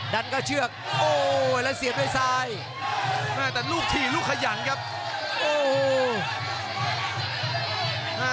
ดันเข้าเชือกโอ้แล้วเสียบด้วยซ้ายแม่แต่ลูกถี่ลูกขยันครับโอ้โห